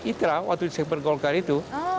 itulah waktu saya berkolkar itu